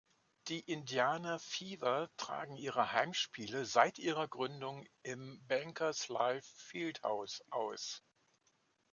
Die Indiana Fever tragen ihre Heimspiele seit ihrer Gründung im Bankers Life Fieldhouse aus.